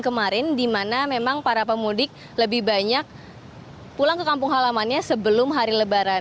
di tahun kemarin di mana memang para pemudik lebih banyak pulang ke kampung halamannya sebelum hari lebaran